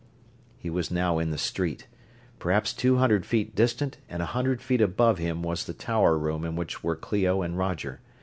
He was now in the street. Perhaps two hundred feet distant and a hundred feet above him was the tower room in which were Clio and Roger.